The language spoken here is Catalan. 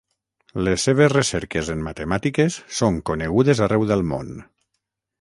Les seves recerques en matemàtiques són conegudes arreu del món.